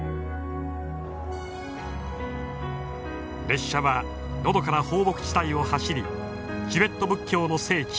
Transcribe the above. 列車はのどかな放牧地帯を走りチベット仏教の聖地